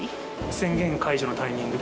宣言解除のタイミングで？